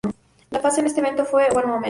La frase para este evento fue ""One Moment.